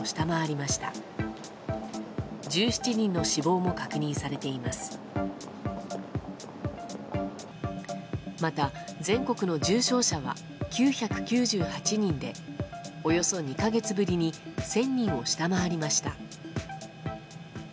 また全国の重症者は９９８人でおよそ２か月ぶりに１０００人を下回りました。